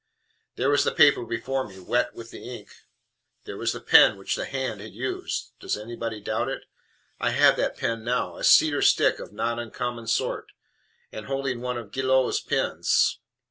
There was the paper before me, wet with the ink. There was the pen which THE HAND had used. Does anybody doubt me? I have that pen now, a cedar stick of a not uncommon sort, and holding one of Gillott's pens.